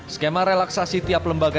skema relaksasi tiap lembaga